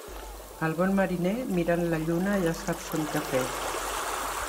El bon mariner, mirant la lluna ja sap son quefer.